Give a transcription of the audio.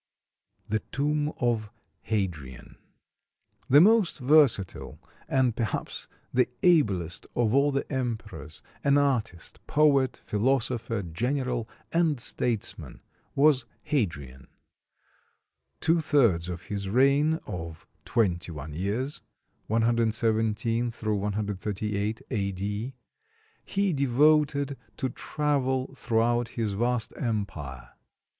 ] THE TOMB OF HADRIAN The most versatile and perhaps the ablest of all the emperors an artist, poet, philosopher, general, and statesman was Hadrian. Two thirds of his reign of twenty one years (117 138 A. D.) he devoted to travel throughout his vast empire.